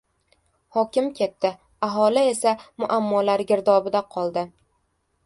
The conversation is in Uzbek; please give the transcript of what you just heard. «Hokim ketdi, aholi esa muammolar girdobida qoldi...»